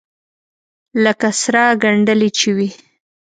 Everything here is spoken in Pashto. لکه سره گنډلې چې وي.